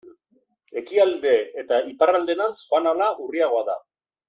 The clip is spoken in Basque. Ekialde eta iparralderantz joan ahala urriagoa da.